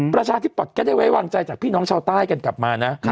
ประชาธิปัตย์ก็ได้ไว้วางใจจากพี่น้องชาวใต้กันกลับมานะ